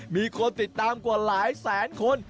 มีคนติดตามกว่าหลายแสนคน